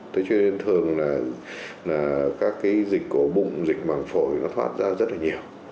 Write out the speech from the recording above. thế cho nên thường là các cái dịch của bụng dịch bằng phổi nó thoát ra rất là nhiều